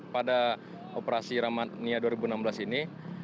pada operasi ramadnia dua ribu enam belas ini